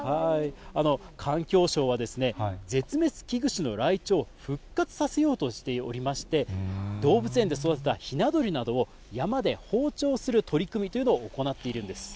環境省は絶滅危惧種のライチョウを復活させようとしておりまして、動物園で育てたひな鳥などを山で放鳥する取り組みというのを行っているんです。